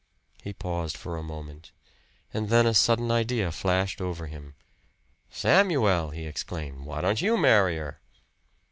He paused for a moment; and then a sudden idea flashed over him. "Samuel!" he exclaimed "Why don't you marry her?"